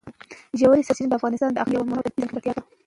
ژورې سرچینې د افغانستان د اقلیم یوه مهمه طبیعي ځانګړتیا ده.